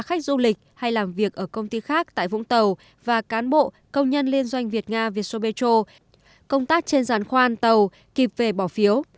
các du lịch hay làm việc ở công ty khác tại vũng tàu và cán bộ công nhân liên doanh việt nga vietso petro công tác trên gián khoan tàu kịp về bỏ phiếu